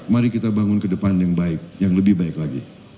mari kita bangun ke depan yang baik yang lebih baik lagi